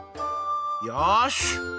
よし！